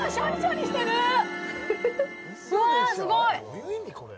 わすごい！